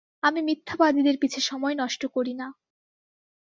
আমি মিথ্যাবাদীদের পিছে সময় নষ্ট করি না।